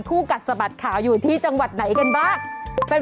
กัดสะบัดข่าวอยู่ที่จังหวัดไหนกันบ้าง